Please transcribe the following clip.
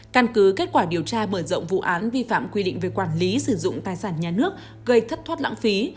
căn cứ kết quả điều tra mở rộng vụ án vi phạm quy định về quản lý sử dụng tài sản nhà nước gây thất thoát lãng phí